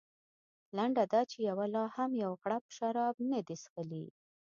لنډه دا چې یوه لا هم یو غړپ شراب نه دي څښلي.